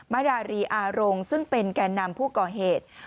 มาดารีอารมณ์ซึ่งเป็นแก่นำผู้ก่อเหตุ